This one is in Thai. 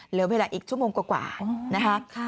เหลือเวลาอีกชั่วโมงกว่านะคะ